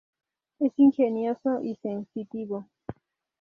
Es ingenioso y sensitivo.